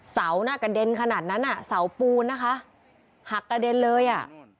เสาน่ะกระเด็นขนาดนั้นอ่ะเสาปูนนะคะหักกระเด็นเลยอ่ะ